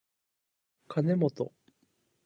かねもと